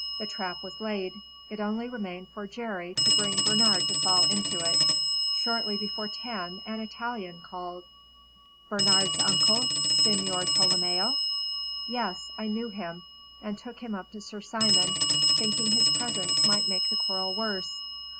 The trap was laid. It only remained for Jerry to bring Bernard to fall into it. Shortly before ten an Italian called." "Bernard's uncle, Signor Tolomeo?" "Yes. I knew him, and took him up to Sir Simon, thinking his presence might make the quarrel worse.